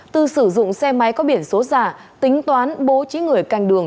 tư sử dụng xe máy có biển số giả tính toán bố trí người canh đường